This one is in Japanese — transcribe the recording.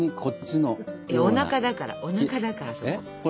おなかだからおなかだからそこ。